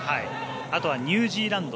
あとはニュージーランド